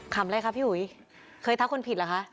อะไรคะพี่อุ๋ยเคยทักคนผิดเหรอคะ